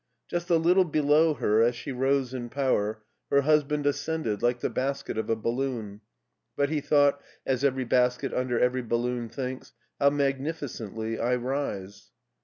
Just a little below her as she rose in power her husband ascended like the basket of a balloon, but he thought, as every basket under every balloon thinks, "How magnificently I rise."